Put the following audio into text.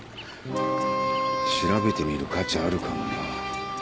調べてみる価値あるかもな。でしょう？